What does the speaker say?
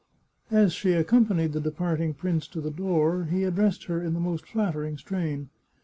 As she accompanied the departing prince to the door, he addressed her in the most flattering strain.